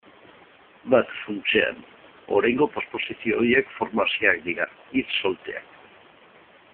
Bat, funtsean: oraingo postposizio horiek forma askeak dira, hitz solteak.